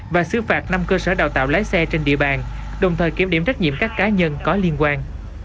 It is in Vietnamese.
và xứ phạt năm cơ sở đào tạo lái xe trên địa bàn đồng thời kiểm điểm trách nhiệm các cá nhân có liên quan